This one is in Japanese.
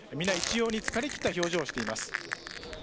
皆、一様に疲れきった表情をしています。